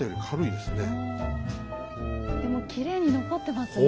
でもきれいに残ってますね。